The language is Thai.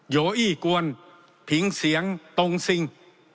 โยอี้กวนผิงเสียงตรงซิง